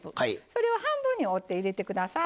それを半分に折って入れて下さい。